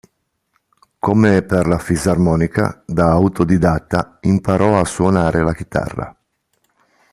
Come per la fisarmonica, da autodidatta imparò a suonare la chitarra.